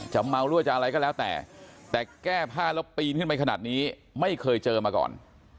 เมาหรือว่าจะอะไรก็แล้วแต่แต่แก้ผ้าแล้วปีนขึ้นไปขนาดนี้ไม่เคยเจอมาก่อน